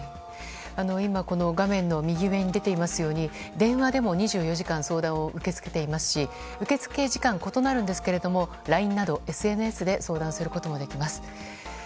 今、画面の右上に出ていますように電話でも２４時間相談を受け付けていますし受け付け時間が異なるんですけれどもＬＩＮＥなどＳＮＳで相談することもできます。